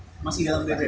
atau masih dalam dpo